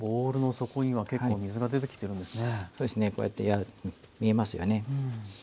そうですねこうやって見えますよね。